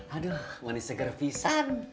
aduh manis segera pisang